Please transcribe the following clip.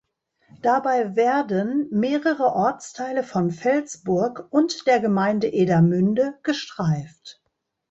Dabei werden mehrere Ortsteile von Felsburg und der Gemeinde Edermünde gestreift.